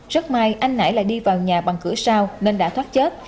rất may anh nải lại đi vào nhà bằng cửa sao nên đã thoát chết